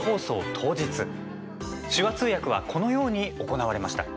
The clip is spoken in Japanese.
当日手話通訳はこのように行われました。